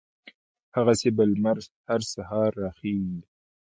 هغسې به لمر هر سهار را خېژي